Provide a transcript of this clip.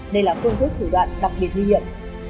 đây là phương thức thủ đoạn đặc biệt nguy hiểm